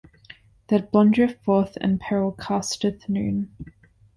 That blondreth forth and peril casteth noon.